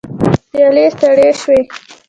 پيالې سړې شوې.